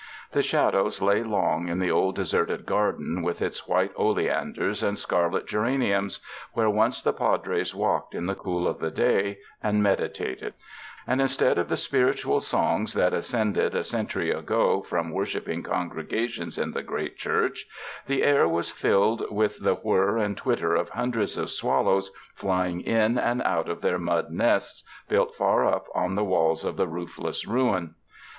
The shad ows lay long in the old deserted garden with its white oleanders and scarlet geraniums, where once the Padres walked in the cool of the day and medi tated; and instead of the spiritual songs that as cended a century ago from worshiping congrega tions in the great church, the air was filled with the whir and twitter of hundreds of swallows flying in and out of their mud nests built far up on the walls of the roofless ruin.